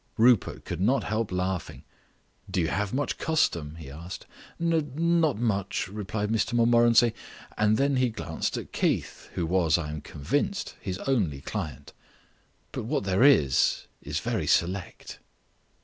Rupert could not help laughing. "Do you have much custom?" he asked. "N not much," replied Mr Montmorency, and then he glanced at Keith, who was (I am convinced) his only client. "But what there is very select."